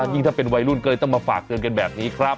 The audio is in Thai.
ยิ่งถ้าเป็นวัยรุ่นก็เลยต้องมาฝากเตือนกันแบบนี้ครับ